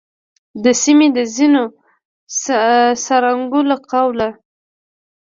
د سیمې د ځینو څارونکو له قوله،